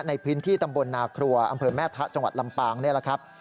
ในพื้นที่ตำบลนาครัวอำเภอแม่ทะจังหวัดลำปางนี่แหละครับ